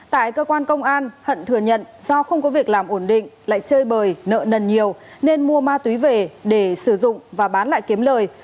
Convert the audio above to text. tại cơ quan công an hận thừa nhận do không có việc làm ổn định lại chơi bời nợ nần nhiều nên mua ma túy về để sử dụng và bán lại kiếm lời